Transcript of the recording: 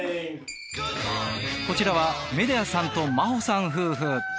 こちらはメデアさんとマホさん夫婦。